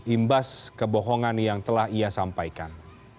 imbas kebohongan yang telah ia sampaikan